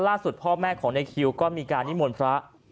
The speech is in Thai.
พ่อแม่ของในคิวก็มีการนิมนต์พระ